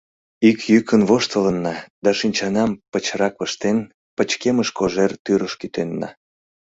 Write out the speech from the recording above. Ик йӱкын воштылынна да шинчанам пычрак ыштен, пычкемыш кожер тӱрыш кӱтенна.